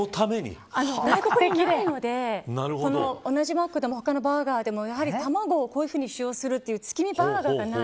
外国で売ってないので同じマックでも他のバーガーでも卵をこういうふうに使用する月見バーガーはない。